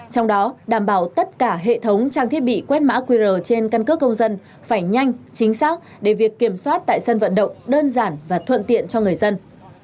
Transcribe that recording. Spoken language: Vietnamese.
trong đó đảm bảo tất cả hệ thống trang thiết bị quét mã qr trên căn cước công dân phải nhanh chính xác để việc kiểm soát tại sân vận động đơn giản và thuận tiện cho người dân